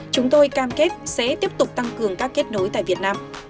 chúng tôi cam kết sẽ tiếp tục tăng cường các kết nối tại việt nam